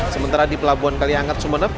sementara di pelabuhan kaliangat sumeneb